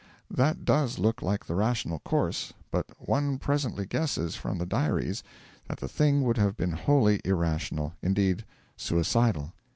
That does look like the rational course, but one presently guesses from the diaries that the thing would have been wholly irrational indeed, suicidal.